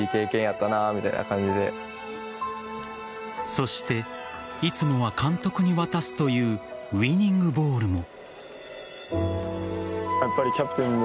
そしていつもは監督に渡すというウイニングボールも。